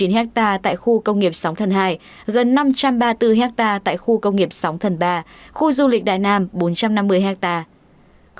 hai trăm bảy mươi chín hectare tại khu công nghiệp sóng thần hai gần năm trăm ba mươi bốn hectare tại khu công nghiệp sóng thần ba khu du lịch đại nam bốn trăm năm mươi hectare